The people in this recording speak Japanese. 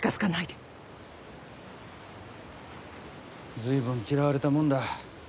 随分嫌われたもんだ。